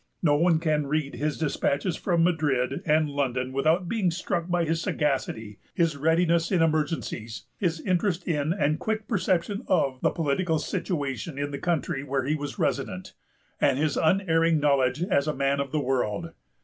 No one can read his dispatches from Madrid and London without being struck by his sagacity, his readiness in emergencies, his interest in and quick perception of the political situation in the country where he was resident, and his unerring knowledge as a man of the world.